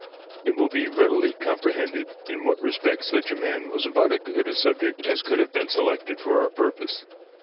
It will be readily comprehended in what respects such a man was about as good a subject as could have been selected for our purpose.